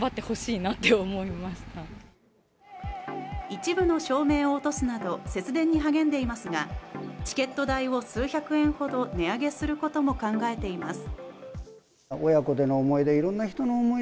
一部の照明を落とすなど節電に励んでいますが、チケット代を数百円ほど値上げすることも考えています。